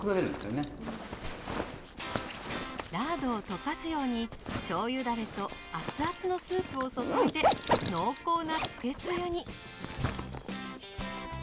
ラードを溶かすようにしょうゆだれと熱々のスープを注いで濃厚なつけつゆに。